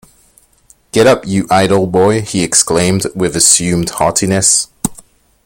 ‘Get up, you idle boy!’ he exclaimed, with assumed heartiness.